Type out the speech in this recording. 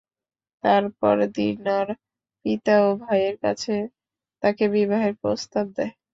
তারপর দীনার পিতা ও ভাইদের কাছে তাকে বিবাহের প্রস্তাব দেয়।